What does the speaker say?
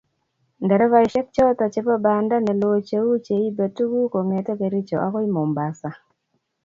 nderefaishek choto chebo banda ne loo cheu cho ibee tuguk kongete Kericho agoi mombasa